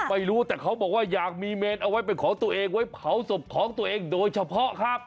ไม่รู้แต่เขาบอกว่าอยากมีเมนเอาไว้เป็นของตัวเองไว้เผาศพของตัวเองโดยเฉพาะครับ